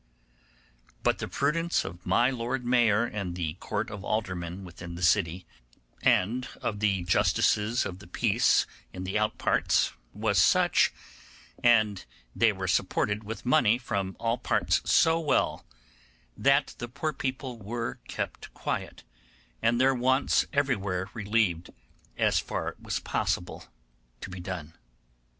But the prudence of my Lord Mayor and the Court of Aldermen within the city, and of the justices of peace in the out parts, was such, and they were supported with money from all parts so well, that the poor people were kept quiet, and their wants everywhere relieved, as far as was possible to be done.